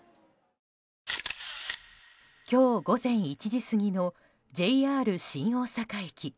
今日午前１時過ぎのＪＲ新大阪駅。